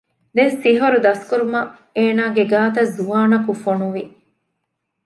ދެން ސިޙުރު ދަސްކުރުމަށް އޭނާގެ ގާތަށް ޒުވާނަކު ފޮނުވި